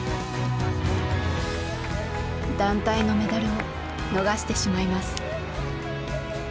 「団体のメダル」を逃してしまいます。